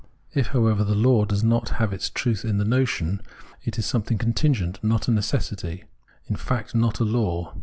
If, however, the law does not have its truth in the notion, it is something contingent, not a necessity, in fact, not a law.